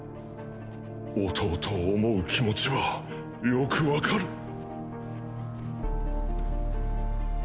弟を思う気持ちはよくわかる。